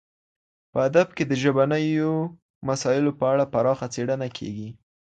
په ادب کي د ژبنیو مسایلو په اړه پراخه څېړنه کیږي.